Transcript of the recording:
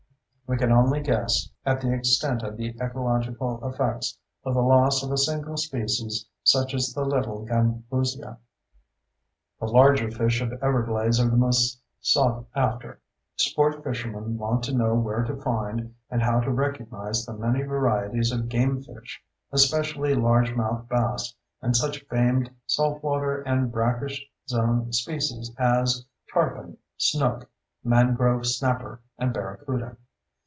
We can only guess at the extent of the ecological effects of the loss of a single species such as the little gambusia. The larger fish of Everglades are the most sought after. Sport fishermen want to know where to find and how to recognize the many varieties of game fish, especially largemouth bass and such famed salt water and brackish zone species as tarpon, snook, mangrove snapper, and barracuda.